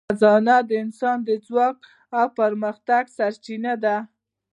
خزانه د انسان د ځواک او پرمختګ سرچینه ده.